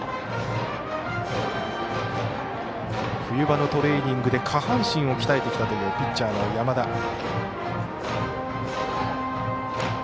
冬場のトレーニングで下半身を鍛えてきたというピッチャーの山田。